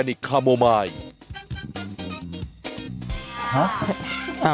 เจี๊ยบมาค่ะ